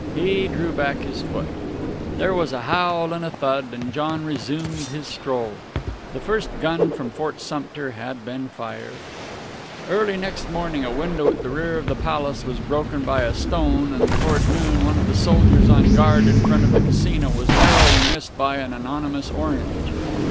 He drew back his foot There was a howl and a thud, and John resumed his stroll. The first gun from Fort Sumter had been fired. Early next morning a window at the rear of the palace was broken by a stone, and toward noon one of the soldiers on guard in front of the Casino was narrowly missed by an anonymous orange.